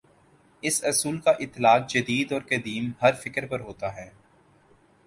اس اصول کا اطلاق جدید اور قدیم، ہر فکرپر ہوتا ہے۔